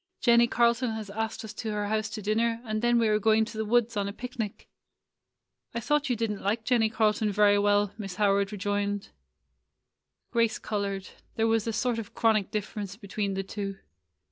Jennie Carl ton has asked us to her house to dinner, and then we are going to the woods on a picnic.'' "I thought you did n't like Jennie Carlton very well," Mrs. Howard rejoined. Grace colored. There was a sort of chronic difference between the two.